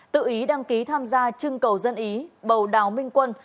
tự ý đăng ký tham gia trưng cầu dân ý bầu đào minh quân